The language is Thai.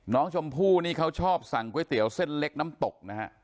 น้องชมพู่นี่เขาชอบสั่งก๋วยเตี๋ยวเส้นเล็กน้ำตกนะฮะ